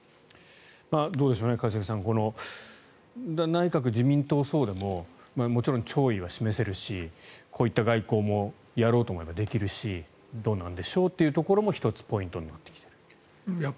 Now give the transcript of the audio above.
どうでしょう、一茂さん内閣、自民党はそうでももちろん弔意は示せるしこういった外交もやろうと思えばできるしどうなんでしょうというところも１つポイントになってきている。